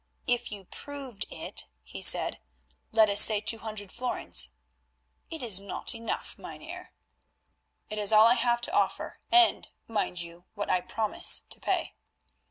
"If you proved it," he said, "let us say two hundred florins." "It is not enough, Mynheer." "It is all I have to offer, and, mind you, what I promise to pay."